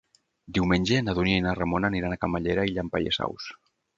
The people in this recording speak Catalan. Diumenge na Dúnia i na Ramona aniran a Camallera i Llampaies Saus.